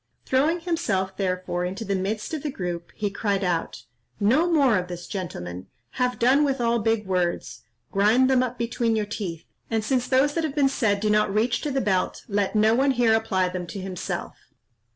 Throwing himself, therefore, into the midst of the group, he cried out, "No more of this, gentlemen! have done with all big words; grind them up between your teeth; and since those that have been said do not reach to the belt, let no one here apply them to himself."